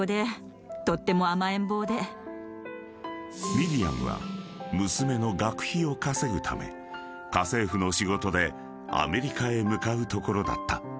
［ミリアムは娘の学費を稼ぐため家政婦の仕事でアメリカへ向かうところだった］